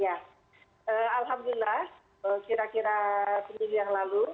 alhamdulillah kira kira seminggu yang lalu